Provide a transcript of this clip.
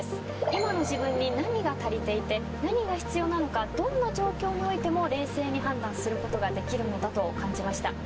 今の自分に何が足りていて何が必要なのかどんな状況においても冷静に判断することができるのだと感じました。